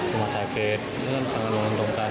rumah sakit sangat menuntunkan